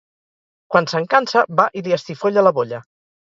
Quan se'n cansa, va i li estifolla la bolla.